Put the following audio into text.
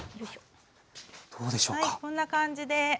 こんな感じで。